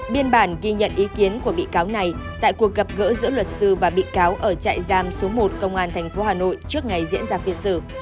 biên bản ghi nhận ý kiến của bị cáo này tại cuộc gặp gỡ giữa luật sư và bị cáo ở trại giam số một công an tp hà nội trước ngày diễn ra phiên xử